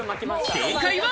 正解は。